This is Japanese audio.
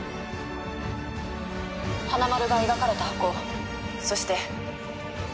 「はなまる」が描かれた箱そして。